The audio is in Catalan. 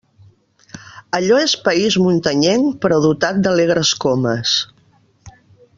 Allò és país muntanyenc, però dotat d'alegres comes.